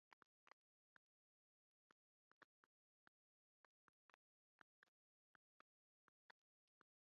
It offers New Orleans-style cuisine and a casual sit-down family friendly atmosphere.